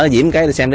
diễm cái xem